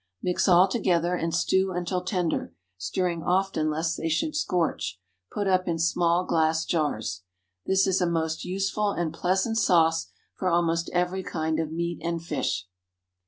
Mix all together, and stew until tender, stirring often lest they should scorch. Put up in small glass jars. This is a most useful and pleasant sauce for almost every kind of meat and fish.